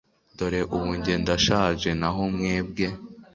dore ubu jye ndashaje, naho mwebwe